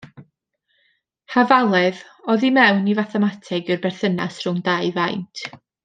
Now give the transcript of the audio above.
Hafaledd, oddi mewn i fathemateg, yw'r berthynas rhwng dau faint.